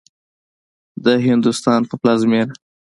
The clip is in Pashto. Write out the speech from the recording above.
د هندوستان په پلازمېنه